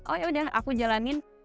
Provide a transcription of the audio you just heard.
oh yaudah aku jalanin